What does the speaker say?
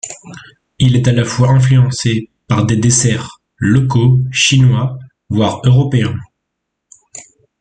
Il est à la fois influencé par des desserts locaux, chinois, voire européens.